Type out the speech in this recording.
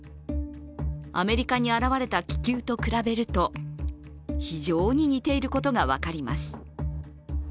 アメリカに現れた気球と比べると、非常に似ていてることが分かります。